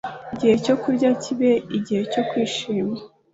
Igihe cyo kurya kibe igihe cyo kwishima